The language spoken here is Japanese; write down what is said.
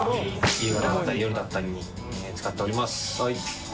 昼だったり夜だったりに使っております。